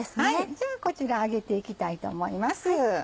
じゃあこちら揚げていきたいと思います。